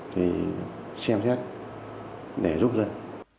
thì xem xét để giúp dân